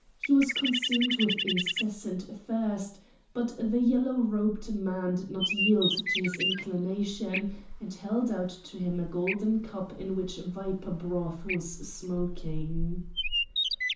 He was consumed with incessant thirst, but the yellow robed man did not yield to this inclination, and held out to him a golden cup in which viper broth was smoking.